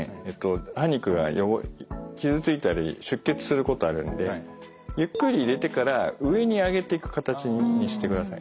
歯肉が傷ついたり出血することがあるのでゆっくり入れてから上に上げていく形にしてください。